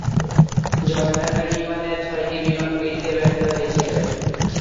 জর্ডানের বিমানের ছয়টি বিমান ফিরতে ব্যর্থ হয়েছিল।